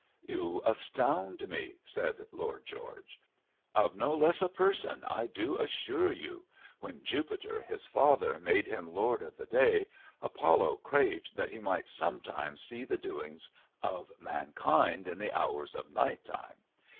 "You astound me," said Lord George. "Of no less a person, I do assure you. When Jupiter, his father, made him lord of the day, Apollo craved that he might sometimes see the doings of mankind in the hours of night time.